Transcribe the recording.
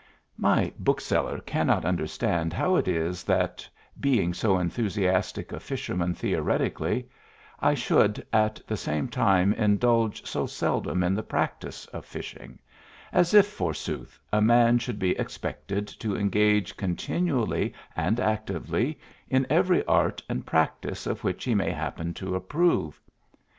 My bookseller cannot understand how it is that, being so enthusiastic a fisherman theoretically, I should at the same time indulge so seldom in the practice of fishing, as if, forsooth, a man should be expected to engage continually and actively in every art and practice of which he may happen to approve.